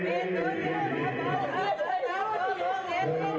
ที่จะเกิดตั้งทุกวันแค่ปีอาทิตย์